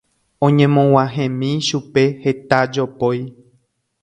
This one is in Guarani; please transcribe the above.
oñemog̃uahẽmi chupe heta jopói